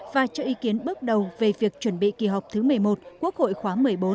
và cho ý kiến bước đầu về việc chuẩn bị kỳ họp thứ một mươi một quốc hội khóa một mươi bốn